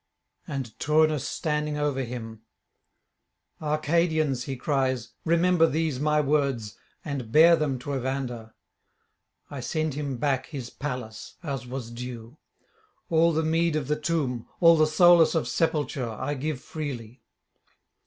And Turnus standing over him ...: 'Arcadians,' he cries, 'remember these my words, and bear them to Evander. I send him back his Pallas as was due. All the meed of the tomb, all the solace of sepulture, I give freely.